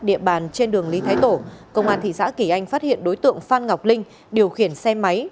địa bàn trên đường lý thái tổ công an thị xã kỳ anh phát hiện đối tượng phan ngọc linh điều khiển xe máy